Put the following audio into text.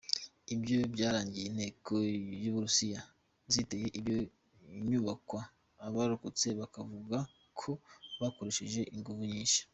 Ivyo vyarangiye inteko z'Uburusiya ziteye iyo nyubakwa, abarokotse bakavuga ko zakoresheje inguvu nyinshi.